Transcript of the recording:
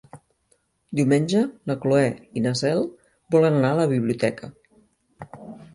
Diumenge na Cloè i na Cel volen anar a la biblioteca.